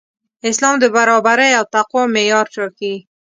اسلام د برابرۍ او تقوی معیار ټاکي.